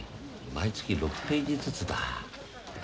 毎月６ページずつだ。